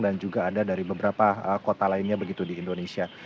dan juga ada dari beberapa kota lainnya di indonesia